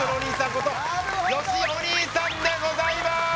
ことよしお兄さんでございまーす！